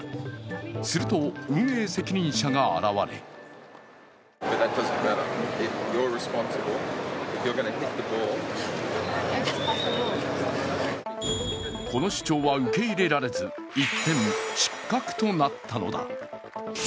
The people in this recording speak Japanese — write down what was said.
すると運営責任者が現れこの主張は受け入れられず、一転、失格となったのだ。